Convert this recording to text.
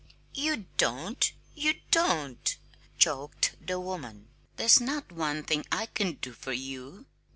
"You don't you don't!" choked the woman. "There's not one thing I can do for you!